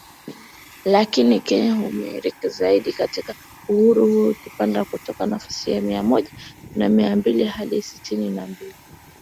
lakini Kenya kuimarika zaidi katika uhuru huo ikipanda kutoka nafasi ya mia moja na mbili hadi sitini na mbili